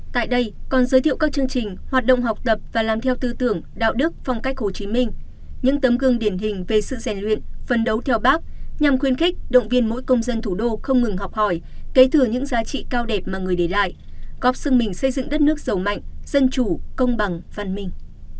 tại đây còn giới thiệu các chương trình hoạt động học tập và làm theo tư tưởng đạo đức phong cách hồ chí minh những tấm gương điển hình về sự rèn luyện phân đấu theo bác nhằm khuyên khích động viên mỗi công dân thủ đô không ngừng học hỏi kế thừa những giá trị cao đẹp mà người để lại góp sưng mình xây dựng đất nước giàu mạnh dân chủ công bằng văn minh